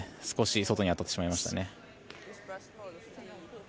少し外に当たってしまいましたね。